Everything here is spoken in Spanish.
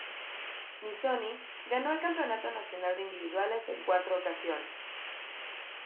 Missoni ganó el campeonato nacional de individuales en cuatro ocasiones.